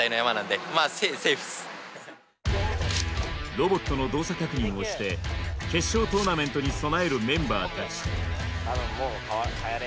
ロボットの動作確認をして決勝トーナメントに備えるメンバーたち。